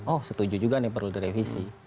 oh setuju juga nih perlu direvisi